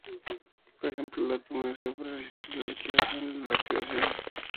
Por ejemplo, el átomo de azufre, resiste la alquilación y la oxidación.